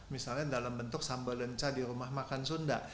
misalnya dalam bentuk sambal lenca di rumah makan sunda